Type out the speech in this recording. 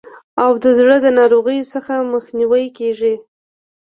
او د زړه د ناروغیو څخه مخنیوی کیږي.